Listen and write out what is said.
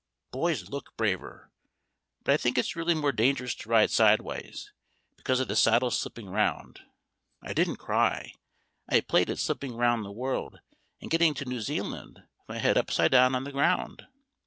Boys look braver, but I think it's really more dangerous to ride sideways, because of the saddle slipping round. (I didn't cry; I played at slipping round the world, and getting to New Zealand with my head upside down on the ground.)